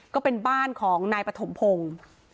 ก็เป็นบ้านของนายปฐมพงศ์